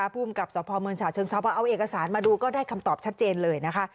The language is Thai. ภูมิกับสพเมืองฉะเชิงเซาพอเอาเอกสารมาดูก็ได้คำตอบชัดเจนเลยนะคะ